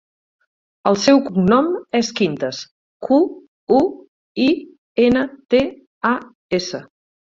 El seu cognom és Quintas: cu, u, i, ena, te, a, essa.